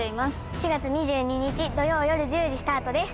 ４月２２日土曜夜１０時スタートです。